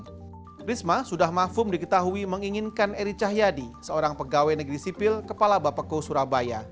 trisma sudah mafum diketahui menginginkan eri cahyadi seorang pegawai negeri sipil kepala bapeko surabaya